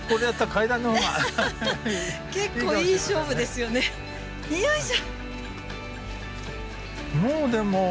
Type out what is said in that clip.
よいしょ！